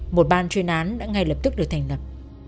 một ban chuyên án đã ngay lập tức được thành lập